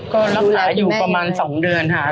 ก็รักษาอยู่ประมาณ๒เดือนค่ะ